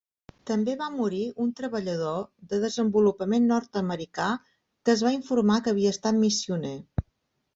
També va morir un treballador de desenvolupament nord-americà, que es va informar que havia estat missioner.